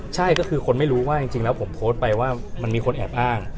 ใช่ก็คือคนไม่รู้ว่าจริงแล้วผมโพสต์ไปว่ามันมีคนแอบอ้าง